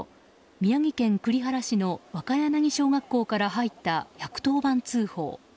宮城県栗原市の若柳小学校から入った１１０番通報。